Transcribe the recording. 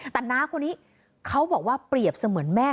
แต่น้าคนนี้เขาบอกว่าเปรียบเสมือนแม่